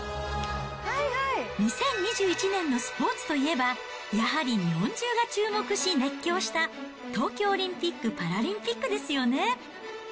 ２０２１年のスポーツといえば、やはり日本中が注目し熱狂した、東京オリンピック・パラリンピックですよね。